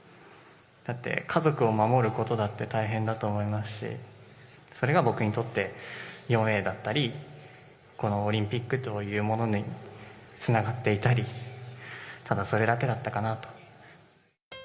だって家族を守ることだって大変だと思いますし、それが僕にとって、４Ａだったり、このオリンピックというものにつながっていたり、ただそれだけだったかな。